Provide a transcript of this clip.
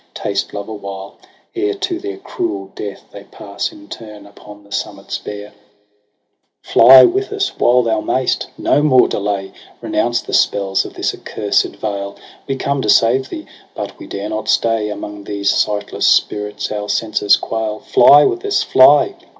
Taste love awhile, ere to their cruel death They pass in turn upon the summits bare. JULY i2y 9 * Fly with us while thou mayst : no more delay j Renounce the spells of this accursed vale. We come to save thee, but we dare not stay j Among these sightless spirits our senses quail. Fly with us, fly